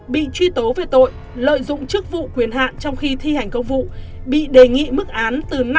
bị truy tố về tội lợi dụng chức vụ quyền hạn trong khi thi hành công vụ quyền hạn trong khi thi hành công vụ